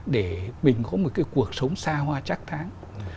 để mình có một cái cuộc sống xa hoa chắc tháng